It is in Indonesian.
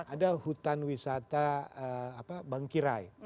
ada hutan wisata bangkirai